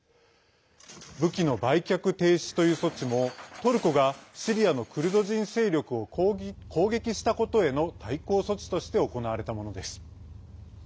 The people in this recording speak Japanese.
武器の売却停止という措置もトルコがシリアのクルド人勢力を攻撃したことへの対抗措置として行われたものです。